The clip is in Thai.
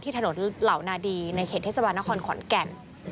ถนนเหล่านาดีในเขตเทศบาลนครขอนแก่น